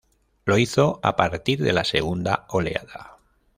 Lo hizo a partir de la segunda oleada.